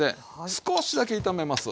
少しだけ炒めますね。